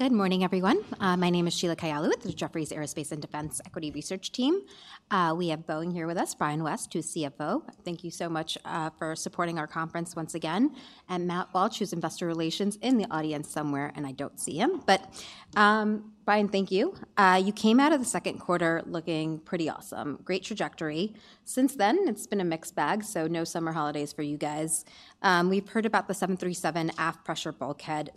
Good morning, everyone. My name is Sheila Kahyaoglu with the Jefferies Aerospace and Defense Equity Research Team. We have Boeing here with us, Brian West, who's CFO. Thank you so much for supporting our conference once again, and Matt Welch, who's investor relations in the audience somewhere, and I don't see him. Brian, thank you. You came out of the second quarter looking pretty awesome. Great trajectory. Since then, it's been a mixed bag, so no summer holidays for you guys. We've heard about the 737 aft pressure bulkhead.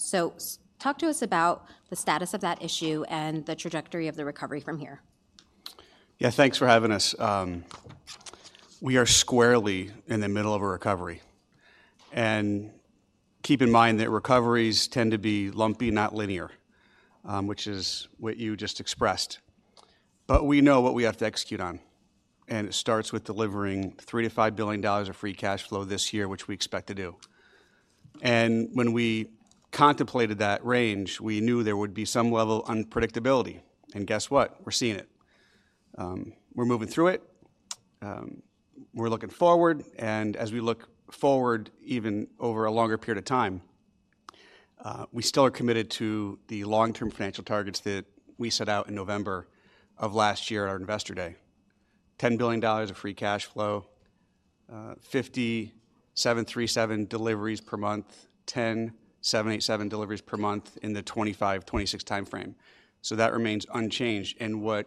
Talk to us about the status of that issue and the trajectory of the recovery from here. Yeah, thanks for having us. We are squarely in the middle of a recovery. Keep in mind that recoveries tend to be lumpy, not linear, which is what you just expressed. We know what we have to execute on, and it starts with delivering $3 billion-$5 billion of free cash flow this year, which we expect to do. When we contemplated that range, we knew there would be some level of unpredictability. Guess what? We're seeing it. We're moving through it. We're looking forward, and as we look forward, even over a longer period of time, we still are committed to the long-term financial targets that we set out in November of last year at our Investor Day: $10 billion of free cash flow, 57 737 deliveries per month, 10 787 deliveries per month in the 2025-2026 time frame. So that remains unchanged. And what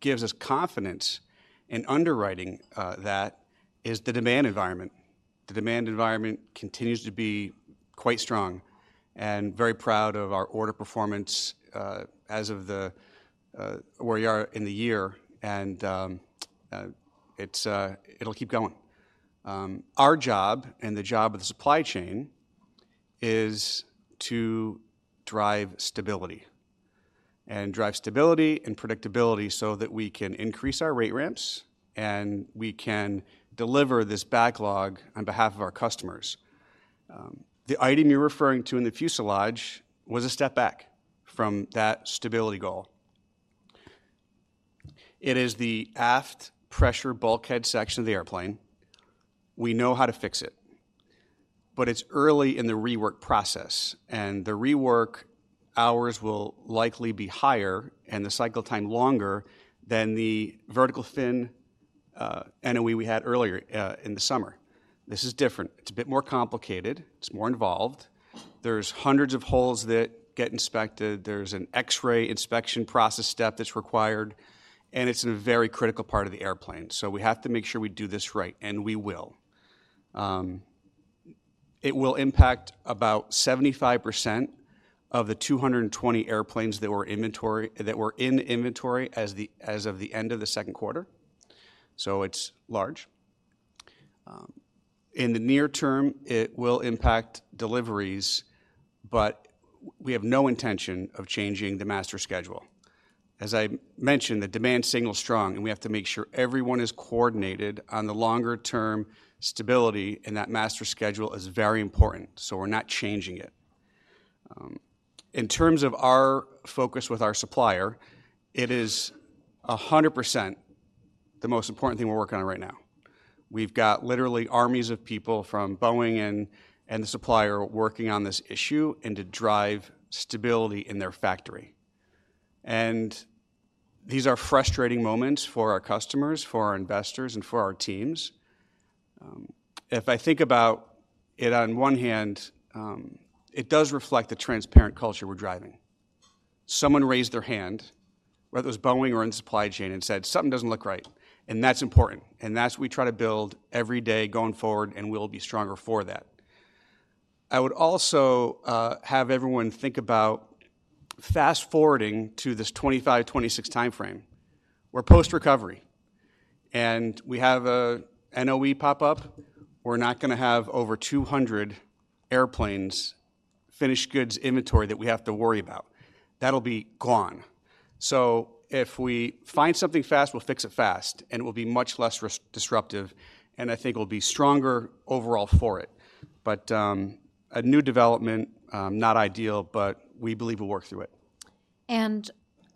gives us confidence in underwriting that is the demand environment. The demand environment continues to be quite strong, and very proud of our order performance, as of where we are in the year, and, it's, it'll keep going. Our job, and the job of the supply chain, is to drive stability, and drive stability and predictability so that we can increase our rate ramps, and we can deliver this backlog on behalf of our customers. The item you're referring to in the fuselage was a step back from that stability goal. It is the aft pressure bulkhead section of the airplane. We know how to fix it, but it's early in the rework process, and the rework hours will likely be higher and the cycle time longer than the vertical fin, NOE we had earlier, in the summer. This is different. It's a bit more complicated. It's more involved. There's hundreds of holes that get inspected. There's an X-ray inspection process step that's required, and it's in a very critical part of the airplane, so we have to make sure we do this right, and we will. It will impact about 75% of the 220 airplanes that were in inventory as of the end of the second quarter, so it's large. In the near term, it will impact deliveries, but we have no intention of changing the master schedule. As I mentioned, the demand signal's strong, and we have to make sure everyone is coordinated on the longer-term stability, and that master schedule is very important, so we're not changing it. In terms of our focus with our supplier, it is 100% the most important thing we're working on right now. We've got literally armies of people from Boeing and the supplier working on this issue and to drive stability in their factory. These are frustrating moments for our customers, for our investors, and for our teams. If I think about it, on one hand, it does reflect the transparent culture we're driving. Someone raised their hand, whether it was Boeing or in supply chain, and said: "Something doesn't look right," and that's important, and that's what we try to build every day going forward, and we'll be stronger for that. I would also have everyone think about fast-forwarding to this 25, 26 time frame. We're post-recovery, and we have a NOE pop up. We're not gonna have over 200 airplanes' finished goods inventory that we have to worry about. That'll be gone. So if we find something fast, we'll fix it fast, and it will be much less disruptive, and I think it'll be stronger overall for it. But, a new development, not ideal, but we believe we'll work through it.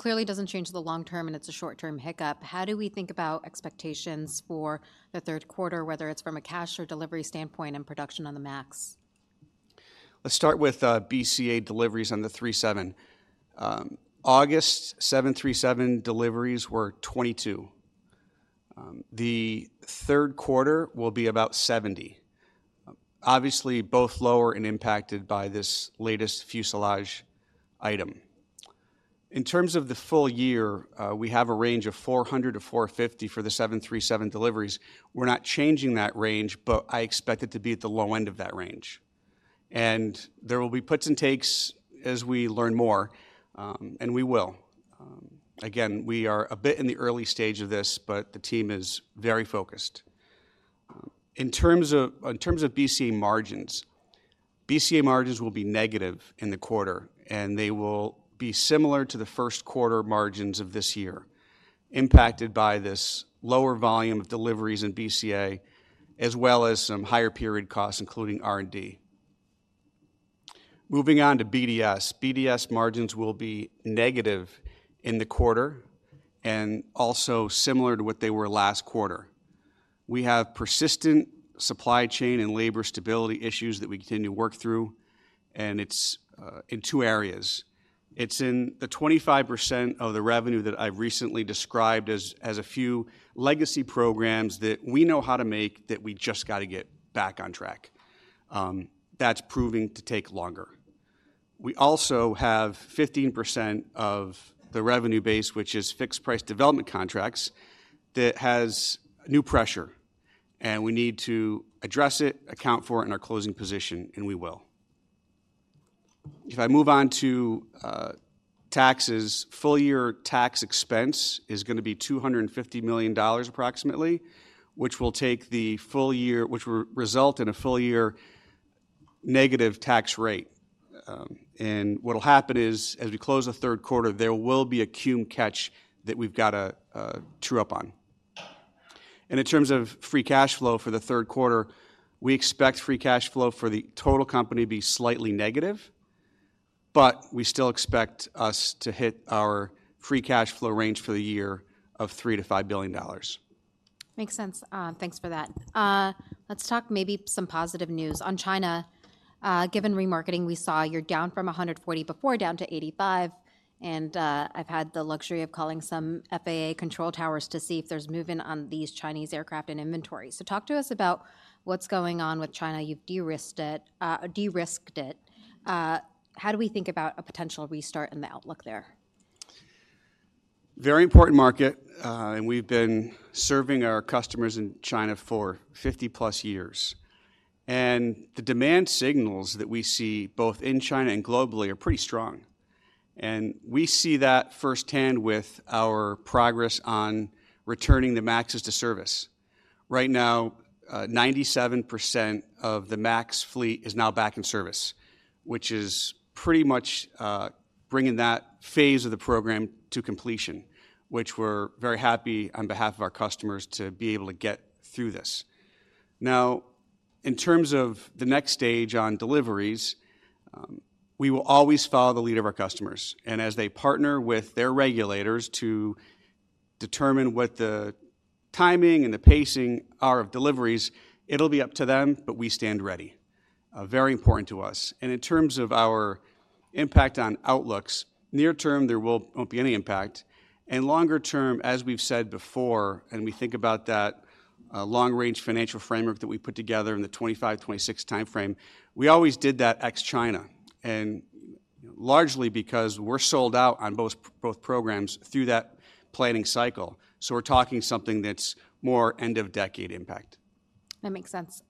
Clearly doesn't change the long term, and it's a short-term hiccup. How do we think about expectations for the third quarter, whether it's from a cash or delivery standpoint and production on the MAX? Let's start with BCA deliveries on the 737. August 737 deliveries were 22. The third quarter will be about 70. Obviously, both lower and impacted by this latest fuselage item. In terms of the full year, we have a range of 400-450 for the 737 deliveries. We're not changing that range, but I expect it to be at the low end of that range. And there will be puts and takes as we learn more, and we will. Again, we are a bit in the early stage of this, but the team is very focused. In terms of BCA margins, BCA margins will be negative in the quarter, and they will be similar to the first quarter margins of this year, impacted by this lower volume of deliveries in BCA, as well as some higher period costs, including R&D. Moving on to BDS. BDS margins will be negative in the quarter and also similar to what they were last quarter. We have persistent supply chain and labor stability issues that we continue to work through, and it's in two areas. It's in the 25% of the revenue that I've recently described as a few legacy programs that we know how to make, that we just got to get back on track. That's proving to take longer. We also have 15% of the revenue base, which is fixed-price development contracts, that has new pressure, and we need to address it, account for it in our closing position, and we will. If I move on to taxes, full year tax expense is going to be $250 million approximately, which will take the full year, which will result in a full year negative tax rate. And what'll happen is, as we close the third quarter, there will be a cum catch that we've got to true up on. And in terms of free cash flow for the third quarter, we expect free cash flow for the total company to be slightly negative, but we still expect us to hit our free cash flow range for the year of $3 billion-$5 billion. Makes sense. Thanks for that. Let's talk maybe some positive news. On China, given remarketing, we saw you're down from 140 before, down to 85, and I've had the luxury of calling some FAA control towers to see if there's movement on these Chinese aircraft in inventory. So talk to us about what's going on with China. You've de-risked it, de-risked it. How do we think about a potential restart and the outlook there? Very important market, and we've been serving our customers in China for 50+ years. And the demand signals that we see both in China and globally are pretty strong, and we see that firsthand with our progress on returning the MAXs to service. Right now, 97% of the MAX fleet is now back in service, which is pretty much bringing that phase of the program to completion, which we're very happy on behalf of our customers to be able to get through this. Now, in terms of the next stage on deliveries, we will always follow the lead of our customers, and as they partner with their regulators to determine what the timing and the pacing are of deliveries, it'll be up to them, but we stand ready. Very important to us. In terms of our impact on outlooks, near term, there won't be any impact, and longer term, as we've said before, and we think about that long-range financial framework that we put together in the 2025-2026 timeframe, we always did that ex China, and largely because we're sold out on both, both programs through that planning cycle. So we're talking something that's more end-of-decade impact. That makes sense.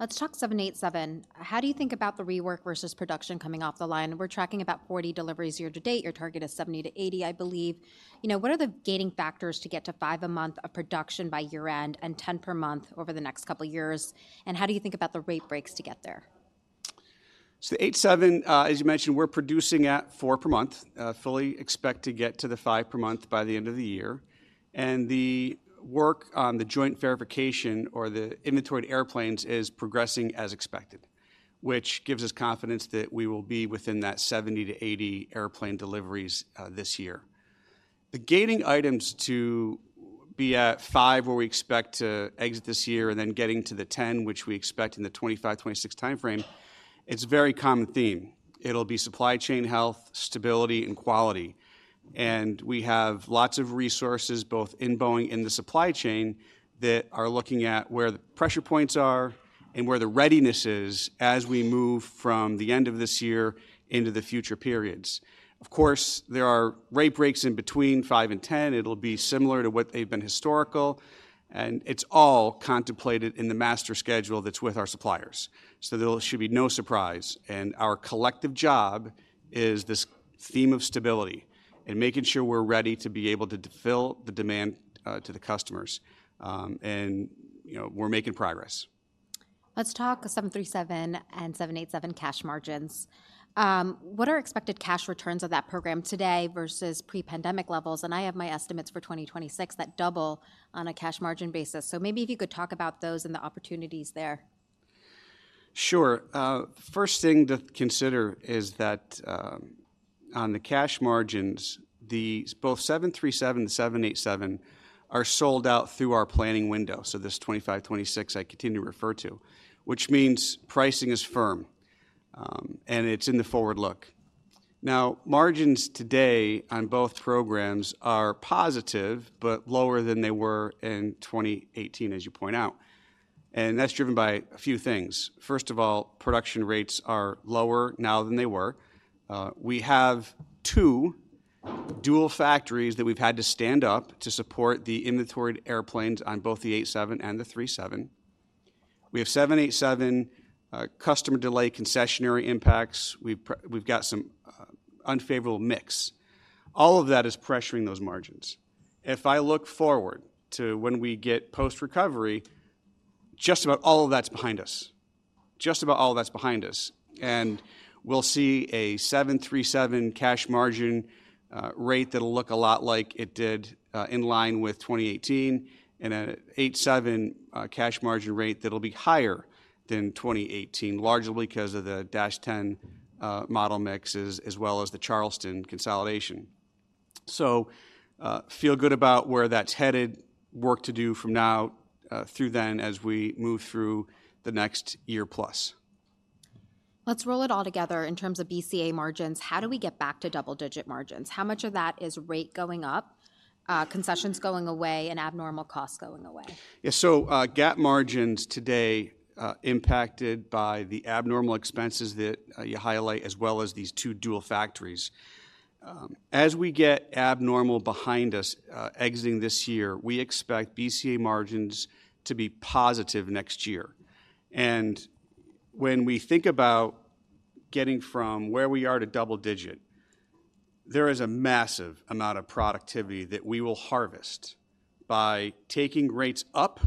Let's talk 787. How do you think about the rework versus production coming off the line? We're tracking about 40 deliveries year to date. Your target is 70-80, I believe. You know, what are the gating factors to get to 5 a month of production by year-end and 10 per month over the next couple of years, and how do you think about the rate breaks to get there? So the 787, as you mentioned, we're producing at four per month, fully expect to get to the five per month by the end of the year. And the work on the join verification or the inventoried airplanes is progressing as expected, which gives us confidence that we will be within that 70-80 airplane deliveries this year. The gating items to be at five, where we expect to exit this year, and then getting to the 10, which we expect in the 2025-2026 timeframe, it's a very common theme. It'll be supply chain health, stability, and quality. And we have lots of resources, both in Boeing and the supply chain, that are looking at where the pressure points are and where the readiness is as we move from the end of this year into the future periods. Of course, there are rate breaks in between five and 10. It'll be similar to what they've been historical, and it's all contemplated in the master schedule that's with our suppliers. So there should be no surprise, and our collective job is this theme of stability and making sure we're ready to be able to fulfill the demand to the customers. And you know, we're making progress. Let's talk 737 and 787 cash margins. What are expected cash returns of that program today versus pre-pandemic levels? And I have my estimates for 2026 that double on a cash margin basis. So maybe if you could talk about those and the opportunities there. Sure. First thing to consider is that, on the cash margins, both 737, 787 are sold out through our planning window, so this 2025, 2026 I continue to refer to, which means pricing is firm, and it's in the forward look. Now, margins today on both programs are positive but lower than they were in 2018, as you point out, and that's driven by a few things. First of all, production rates are lower now than they were. We have two dual factories that we've had to stand up to support the inventoried airplanes on both the 787 and the 737. We have 787 customer delay, concessionary impacts. We've got some unfavorable mix. All of that is pressuring those margins. If I look forward to when we get post-recovery, just about all of that's behind us. Just about all of that's behind us, and we'll see a 737 cash margin rate that'll look a lot like it did in line with 2018, and a 787 cash margin rate that'll be higher than 2018, largely because of the -10 model mixes, as well as the Charleston consolidation.... So, feel good about where that's headed. Work to do from now through then as we move through the next year plus. Let's roll it all together in terms of BCA margins. How do we get back to double-digit margins? How much of that is rate going up, concessions going away, and abnormal costs going away? Yeah, so, GAAP margins today, impacted by the abnormal expenses that you highlight, as well as these two dual factories. As we get abnormal behind us, exiting this year, we expect BCA margins to be positive next year. When we think about getting from where we are to double-digit, there is a massive amount of productivity that we will harvest by taking rates up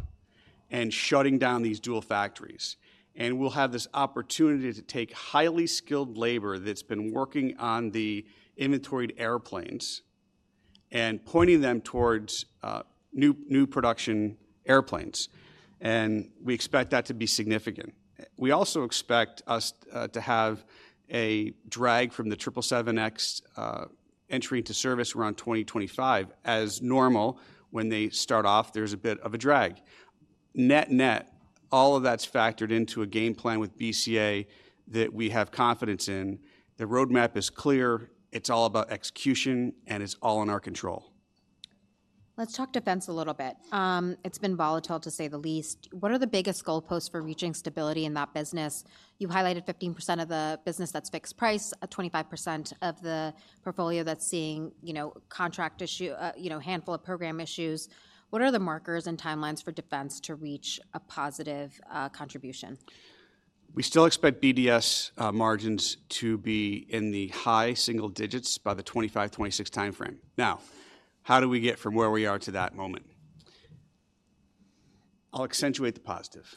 and shutting down these dual factories. We'll have this opportunity to take highly skilled labor that's been working on the inventoried airplanes and pointing them towards new, new production airplanes, and we expect that to be significant. We also expect us to have a drag from the 777X entry into service around 2025. As normal, when they start off, there's a bit of a drag. Net-net, all of that's factored into a game plan with BCA that we have confidence in. The roadmap is clear, it's all about execution, and it's all in our control. Let's talk Defense a little bit. It's been volatile, to say the least. What are the biggest goalposts for reaching stability in that business? You've highlighted 15% of the business that's fixed price, 25% of the portfolio that's seeing contract issue, handful of program issues. What are the markers and timelines for Defense to reach a positive contribution? We still expect BDS margins to be in the high single digits by the 2025, 2026 timeframe. Now, how do we get from where we are to that moment? I'll accentuate the positive.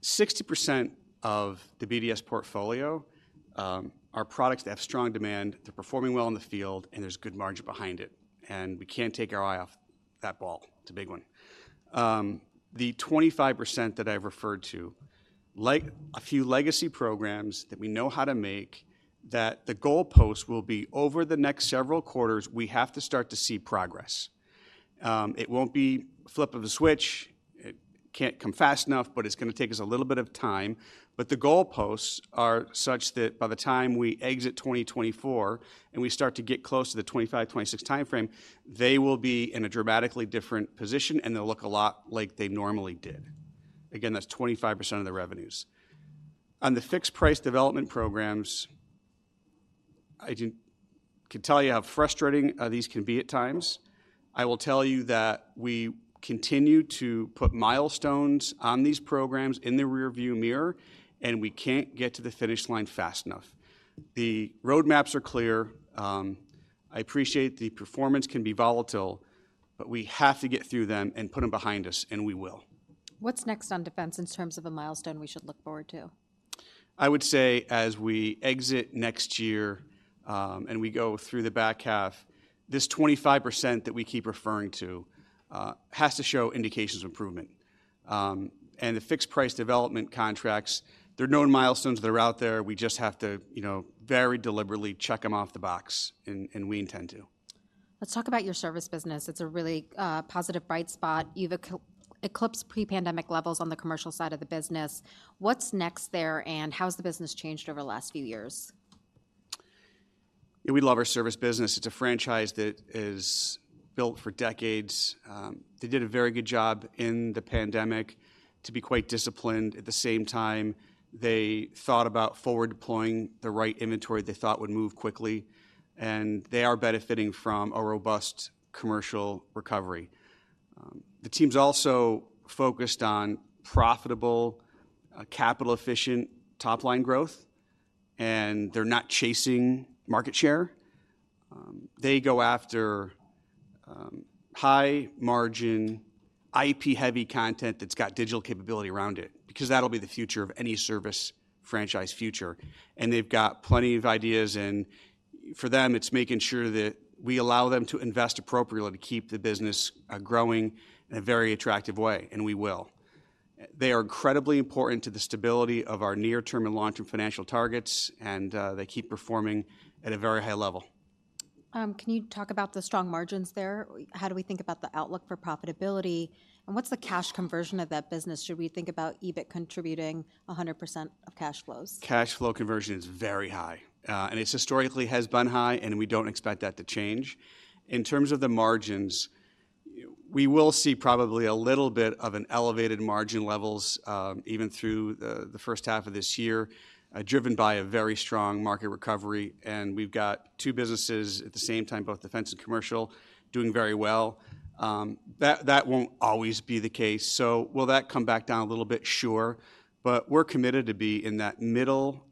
60% of the BDS portfolio are products that have strong demand, they're performing well in the field, and there's good margin behind it, and we can't take our eye off that ball. It's a big one. The 25% that I've referred to, a few legacy programs that we know how to make, that the goalpost will be over the next several quarters, we have to start to see progress. It won't be a flip of a switch. It can't come fast enough, but it's going to take us a little bit of time. But the goalposts are such that by the time we exit 2024, and we start to get close to the 2025, 2026 timeframe, they will be in a dramatically different position, and they'll look a lot like they normally did. Again, that's 25% of the revenues. On the fixed-price development programs, I can tell you how frustrating these can be at times. I will tell you that we continue to put milestones on these programs in the rearview mirror, and we can't get to the finish line fast enough. The roadmaps are clear. I appreciate the performance can be volatile, but we have to get through them and put them behind us, and we will. What's next on Defense in terms of a milestone we should look forward to? I would say, as we exit next year, and we go through the back half, this 25% that we keep referring to has to show indications of improvement. And the fixed-price development contracts, there are known milestones that are out there. We just have to, you know, very deliberately check them off the box, and we intend to. Let's talk about your service business. It's a really positive bright spot. You've eclipsed pre-pandemic levels on the commercial side of the business. What's next there, and how has the business changed over the last few years? Yeah, we love our service business. It's a franchise that is built for decades. They did a very good job in the pandemic to be quite disciplined. At the same time, they thought about forward deploying the right inventory they thought would move quickly, and they are benefiting from a robust commercial recovery. The team's also focused on profitable, capital-efficient top-line growth, and they're not chasing market share. They go after high margin, IP-heavy content that's got digital capability around it, because that'll be the future of any service franchise future, and they've got plenty of ideas, and for them, it's making sure that we allow them to invest appropriately to keep the business growing in a very attractive way, and we will. They are incredibly important to the stability of our near-term and long-term financial targets, and they keep performing at a very high level. Can you talk about the strong margins there? How do we think about the outlook for profitability, and what's the cash conversion of that business? Should we think about EBIT contributing 100% of cash flows? Cash flow conversion is very high, and it's historically has been high, and we don't expect that to change. In terms of the margins, we will see probably a little bit of an elevated margin levels, even through the first half of this year, driven by a very strong market recovery, and we've got two businesses at the same time, both defense and commercial, doing very well. That won't always be the case. So will that come back down a little bit? Sure. But we're committed to be in that middle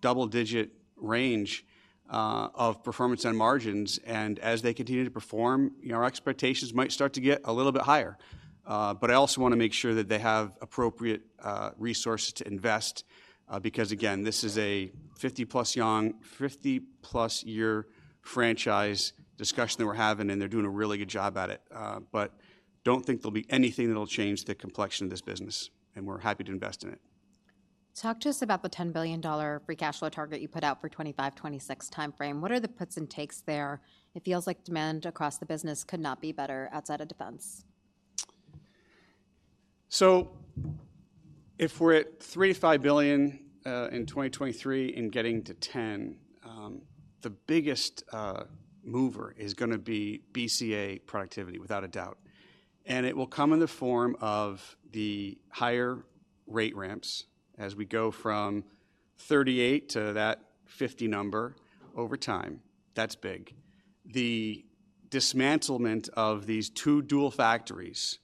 double-digit range of performance and margins, and as they continue to perform, our expectations might start to get a little bit higher. But I also want to make sure that they have appropriate resources to invest, because, again, this is a 50-plus young, 50-plus-year franchise discussion that we're having, and they're doing a really good job at it. But don't think there'll be anything that'll change the complexion of this business, and we're happy to invest in it.... Talk to us about the $10 billion free cash flow target you put out for 2025, 2026 timeframe. What are the puts and takes there? It feels like demand across the business could not be better outside of defense. So if we're at $3 billion-$5 billion in 2023 and getting to $10 billion, the biggest mover is gonna be BCA productivity, without a doubt. And it will come in the form of the higher rate ramps as we go from 38 to that 50 number over time. That's big. The dismantlement of these two dual factories,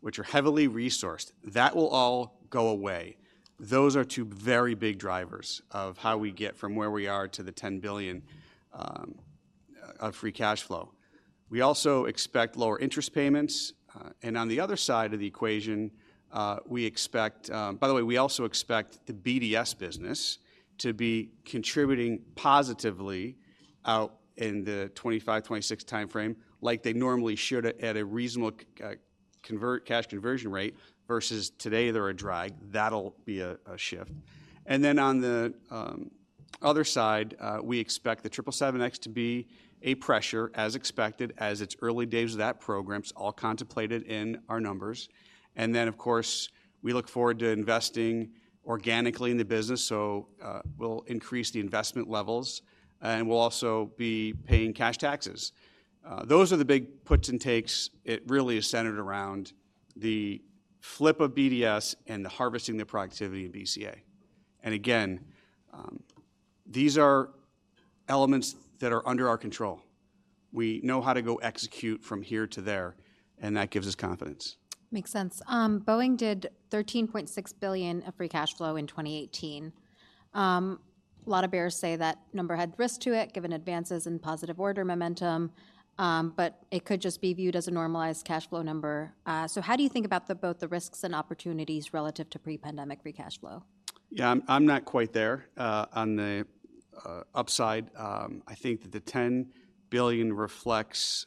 which are heavily resourced, that will all go away. Those are two very big drivers of how we get from where we are to the $10 billion of free cash flow. We also expect lower interest payments, and on the other side of the equation, we expect. By the way, we also expect the BDS business to be contributing positively out in the 2025, 2026 timeframe, like they normally should at a reasonable cash conversion rate, versus today, they're a drag. That'll be a shift. And then on the other side, we expect the 777X to be a pressure, as expected, as it's early days of that program. It's all contemplated in our numbers. And then, of course, we look forward to investing organically in the business, so we'll increase the investment levels, and we'll also be paying cash taxes. Those are the big puts and takes. It really is centered around the flip of BDS and harnessing the productivity of BCA. Again, these are elements that are under our control. We know how to go execute from here to there, and that gives us confidence. Makes sense. Boeing did $13.6 billion of free cash flow in 2018. A lot of bears say that number had risk to it, given advances in positive order momentum, but it could just be viewed as a normalized cash flow number. So how do you think about the both the risks and opportunities relative to pre-pandemic free cash flow? Yeah, I'm, I'm not quite there on the upside. I think that the $10 billion reflects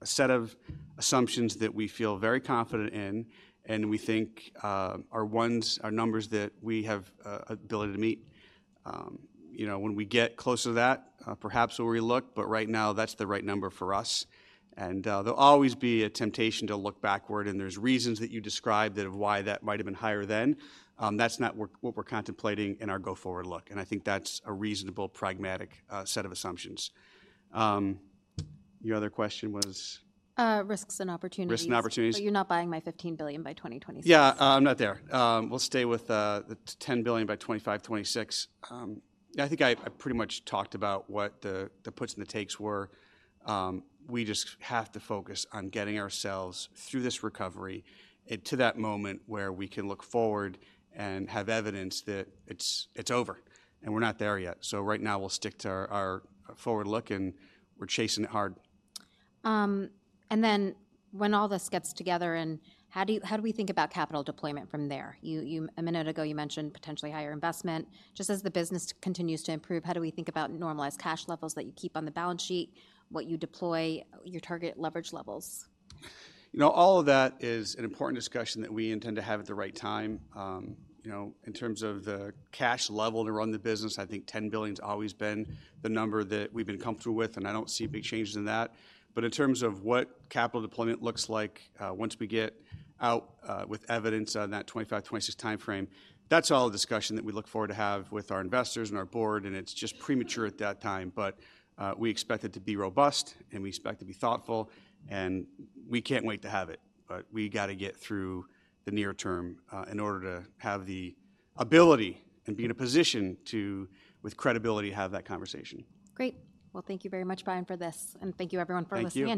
a set of assumptions that we feel very confident in, and we think are ones-- are numbers that we have ability to meet. You know, when we get closer to that, perhaps we'll relook, but right now, that's the right number for us. And there'll always be a temptation to look backward, and there's reasons that you described that of why that might have been higher then. That's not work-- what we're contemplating in our go-forward look, and I think that's a reasonable, pragmatic set of assumptions. Your other question was? Risks and opportunities. Risks and opportunities. But you're not buying my $15 billion by 2026? Yeah, I'm not there. We'll stay with the $10 billion by 2025-2026. I think I pretty much talked about what the puts and the takes were. We just have to focus on getting ourselves through this recovery and to that moment where we can look forward and have evidence that it's over, and we're not there yet. So right now, we'll stick to our forward look, and we're chasing it hard. And then, when all this gets together, how do we think about capital deployment from there? You—a minute ago, you mentioned potentially higher investment. Just as the business continues to improve, how do we think about normalized cash levels that you keep on the balance sheet, what you deploy, your target leverage levels? You know, all of that is an important discussion that we intend to have at the right time. You know, in terms of the cash level to run the business, I think $10 billion's always been the number that we've been comfortable with, and I don't see big changes in that. But in terms of what capital deployment looks like, once we get out with evidence on that 2025-2026 timeframe, that's all a discussion that we look forward to have with our investors and our board, and it's just premature at that time. But we expect it to be robust, and we expect to be thoughtful, and we can't wait to have it. But we gotta get through the near term in order to have the ability and be in a position to, with credibility, have that conversation. Great! Well, thank you very much, Brian, for this, and thank you, everyone, for listening in.